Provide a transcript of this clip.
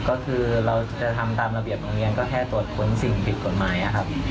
ก็คือเราจะทำตามระเบียบโรงเรียนก็แค่ตรวจค้นสิ่งผิดกฎหมายนะครับ